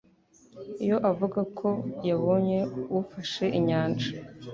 iyo avuga ko yabonye ufashe inyanja